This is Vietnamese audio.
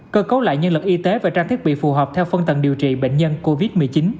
cơ cấu lại nhân lực y tế và trang thiết bị phù hợp theo phân tầng điều trị bệnh nhân covid một mươi chín